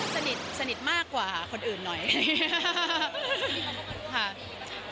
สนิทสนิทมากกว่าคนอื่นหน่อย